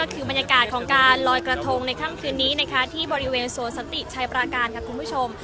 คือบรรยากาศของการลอยกระทงในค่ำคืนนี้นะคะที่บริเวณสวนสันติชัยปราการค่ะคุณผู้ชม